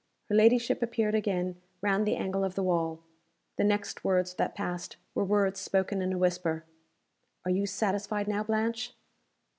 Her ladyship appeared again round the angle of the wall. The next words that passed were words spoken in a whisper. "Are you satisfied now, Blanche?"